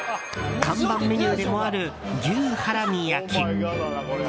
看板メニューでもある牛ハラミ焼き。